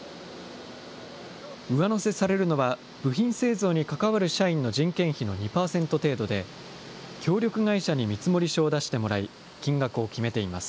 上乗せされるのは、部品製造に関わる社員の人件費の２％程度で、協力会社に見積書を出してもらい、金額を決めています。